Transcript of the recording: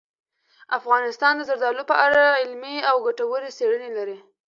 افغانستان د زردالو په اړه علمي او ګټورې څېړنې لري.